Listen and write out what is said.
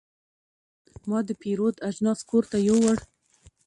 ما د پیرود اجناس کور ته یوړل.